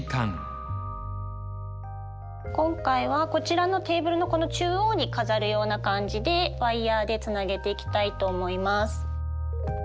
今回はこちらのテーブルのこの中央に飾るような感じでワイヤーでつなげていきたいと思います。